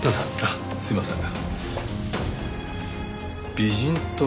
すいません。